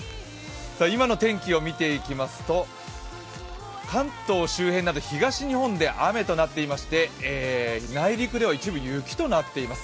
今の天気を見ていきますと、関東周辺など東日本で雨となっていまして、内陸では一部、雪となっています。